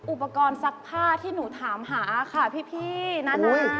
อุปกรณ์ซักผ้าที่หนูถามหาค่ะพี่นานา